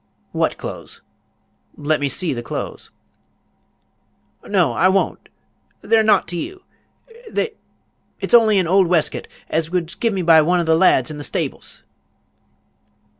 "What clothes? Let me see the clothes." "No, I won't; they're nowght to you. They it's only an old weskit as was give me by one o' th' lads in th' steables."